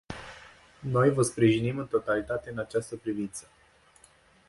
Noi vă sprijinim în totalitate în această privință.